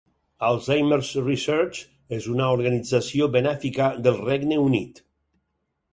Alzheimer's Research és una organització benèfica del Regne Unit.